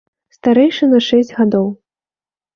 Старэйшы на шэсць гадоў.